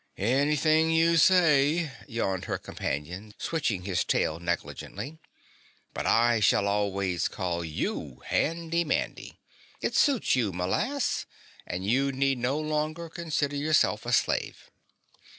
"Anything you say," yawned her companion, switching his tail negligently, "but I shall always call YOU, Handy Mandy. It suits you, m'lass, and you need no longer consider yourself a slave."